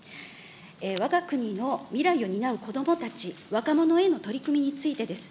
わが国の未来を担う子どもたち、若者への取り組みについてです。